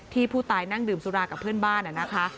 ผู้ตายนั่งดื่มสุรากับเพื่อนบ้านนะคะ